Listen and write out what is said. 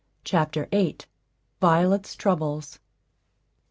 CHAPTER VIII. VIOLET'S TROUBLES.